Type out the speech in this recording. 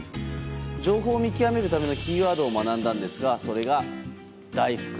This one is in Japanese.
情報を見極めるためのキーワードを学んだんですがそれが、「だいふく」。